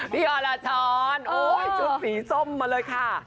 พี่อลลาช้อนโอ้โหชุดสีส้มมาเลยค่ะ